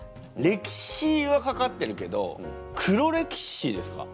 歴史はかかってるけど黒歴史ですか？